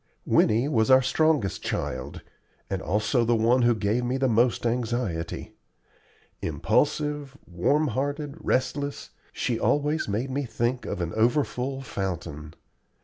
Winnie was our strongest child, and also the one who gave me the most anxiety. Impulsive, warm hearted, restless, she always made me think of an overfull fountain.